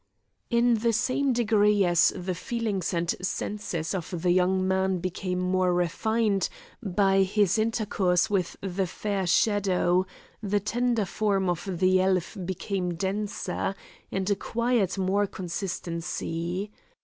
In the same degree as the feelings and senses of the young man became more refined by his intercourse with the fair shadow, the tender form of the elf became denser, and acquired more consistency.